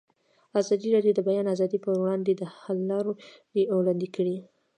ازادي راډیو د د بیان آزادي پر وړاندې د حل لارې وړاندې کړي.